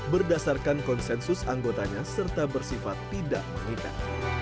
berdasarkan konsensus anggotanya serta bersifat tidak mengikat